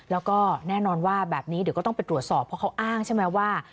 แล้วก็แน่นอนว่าแบบนี้เดี๋ยวก็ต้องไปตรวจสอบเพราะเขาอ้างใช่ไหมว่า